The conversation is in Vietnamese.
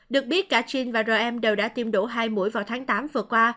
được biết cả jin và rm đều đã tiêm đủ hai mũi vào tháng tám vừa qua